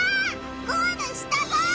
ゴールしたぞ！